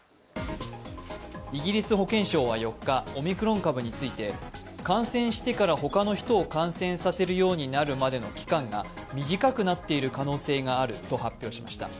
イギリス保健省は４日、オミクロン株について、感染してから他の人を感染させるようになるまでの期間が短くなっている可能性があると発表しました。